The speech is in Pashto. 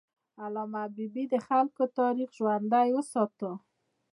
علامه حبیبي د خلکو تاریخ ژوندی وساته.